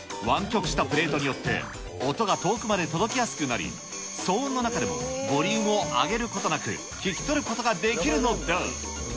湾曲したプレートによって、音が遠くまで届きやすくなり、騒音の中でもボリュームを上げることなく聴き取ることができるのだ。